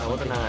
kamu tenang aja